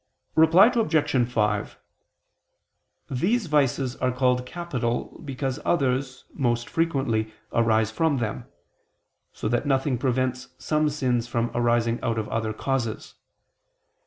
Reply Obj. 5: These vices are called capital because others, most frequently, arise from them: so that nothing prevents some sins from arising out of other causes.